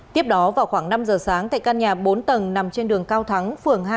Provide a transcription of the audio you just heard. tiếp đó vào khoảng năm giờ sáng tại căn nhà bốn tầng nằm trên đường cao thắng phường hai